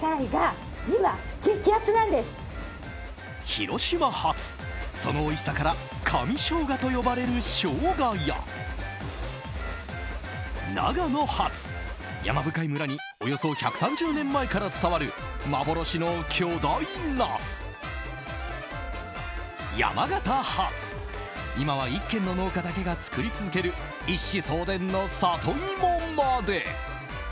広島発、そのおいしさから神ショウガと呼ばれるショウガや長野発、山深い村におよそ１３０年前から伝わる幻の巨大ナス！山形発、今は１軒の農家だけが作り続ける一子相伝のサトイモまで。